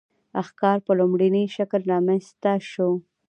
ښکار په لومړني شکل رامنځته شو.